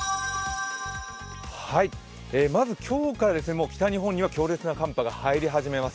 まず今日からもう北日本には強烈な寒波が入り始めます。